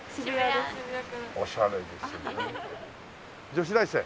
女子大生？